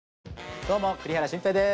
どうも栗原心平です。